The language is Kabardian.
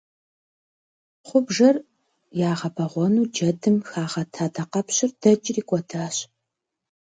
Хъубжэр ягъэбэгъуэну джэдым хагъэт адакъэпщыр дэкӏри кӏуэдащ.